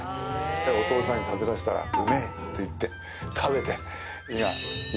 でお父さんに食べさしたら「うめぇ！」って言って食べて。